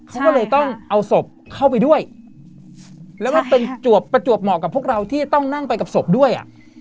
เขาก็เลยต้องเอาศพเข้าไปด้วยแล้วก็เป็นจวบประจวบเหมาะกับพวกเราที่จะต้องนั่งไปกับศพด้วยอ่ะ